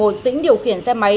dĩnh điều khiển xe máy